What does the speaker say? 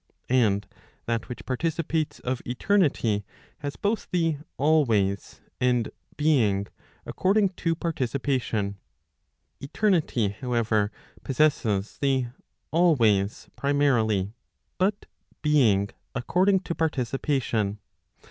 And that which participates of eternity, has both the alwqys and being , according to participation. Eternity, however, possesses the always primarily, but being according to participation.